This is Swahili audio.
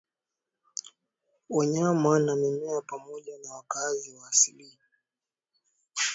wanyama na mimea pamoja na wakazi wa asili